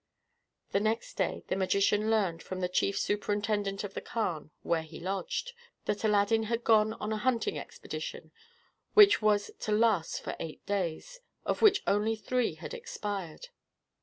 The next day the magician learned, from the chief superintendent of the khan where he lodged, that Aladdin had gone on a hunting expedition, which was to last for eight days, of which only three had expired.